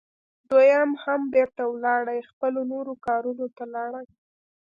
دوی هم بیرته ولاړې، خپلو نورو کارونو ته لاړې.